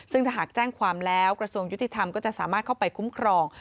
ซึ่งถ้าหากแจ้งความแล้วกระทรวงยุติธรรมก็จะสามารถเข้าไปคุ้มครอง